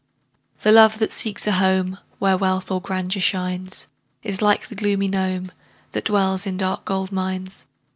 The love that seeks a home Where wealth or grandeur shines, Is like the gloomy gnome, That dwells in dark gold mines.